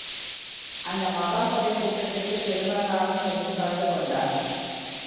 அந்த மகா சபைக் கூட்டத்திற்கு சிதம்பரனாரும் சென்று கலந்து கொண்டார்.